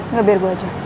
nggak biar gue aja